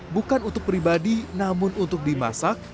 bukan untuk pribadi namun untuk dimasak